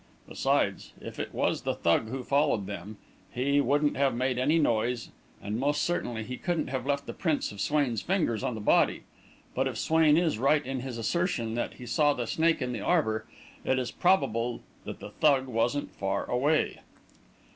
Besides, if it was the Thug who followed them, he wouldn't have made any noise, and most certainly he couldn't have left the prints of Swain's fingers on the body. But if Swain is right in his assertion that he saw the snake in the arbour, it is probable that the Thug wasn't far away.